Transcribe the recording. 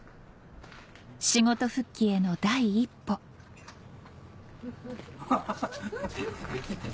仕事復帰への第一歩ハハハっ。